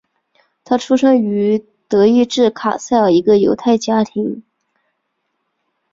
他出生于德意志卡塞尔一个犹太家庭。